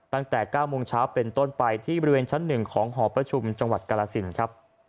ตั้งแต่๙โมงเช้าเป็นต้นไปที่บริเวณชั้นหนึ่งของหอประชุมกรรสินทร์